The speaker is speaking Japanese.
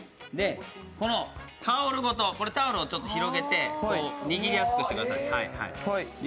このタオルごと、タオルを広げて握りやすくしてください。